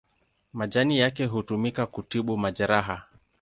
Majani yake hutumika kutibu majeraha.